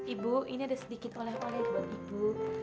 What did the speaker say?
ibu ini ada sedikit oleh oleh ibu